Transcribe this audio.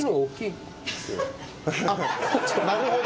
なるほど。